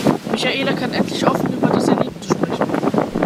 Michaela kann endlich offen über das Erlebte sprechen.